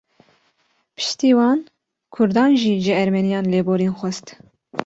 Piştî wan, Kurdan jî ji Ermeniyan lêborîn xwest